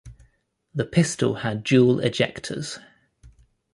The pistol had dual ejectors.